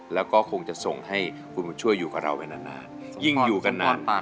แล้วก็คงจะส่งให้คุณบุญช่วยอยู่กับเราไปนานยิ่งอยู่กันนาน